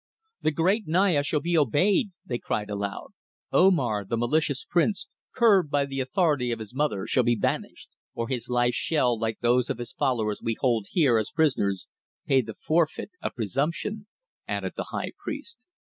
"The great Naya shall be obeyed," they cried aloud. "Omar, the malicious prince, curbed by the authority of his mother, shall be banished." "Or his life shall, like those of his followers we hold here as prisoners, pay the forfeit of presumption," added the high priest.